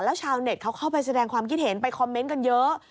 ชาวเน็ตเขาเข้าไปแสดงความคิดเห็นไปคอมเมนต์กันเยอะ